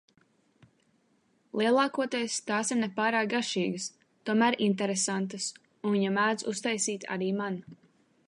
Lielākoties tās ir ne pārāk garšīgas, tomēr interesentas, un viņa mēdz uztaisīt arī man.